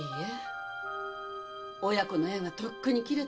親子の縁はとっくに切れてます。